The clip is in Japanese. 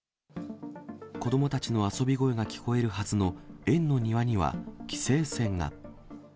子どもたちの遊び声が聞こえるはずの園の庭には規制線が。